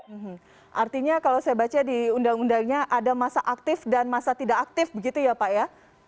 hmm artinya kalau saya baca di undang undangnya ada masa aktif dan masa tidak aktif begitu ya pak ya